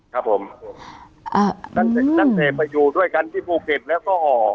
ครับผมอ่าอืมตั้งแต่ไปอยู่ด้วยกันที่ภูเก็ตแล้วก็อ่อ